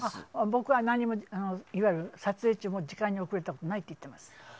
僕は撮影中も時間に遅れたことはないと言ってます。